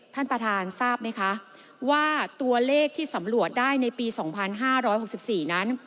ท่านประธานทราบไหมคะว่าตัวเลขที่สำรวจได้ในปี๒๕๖๔นั้น